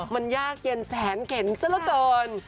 มันยากเย็นแสนเข็นซะละเกิน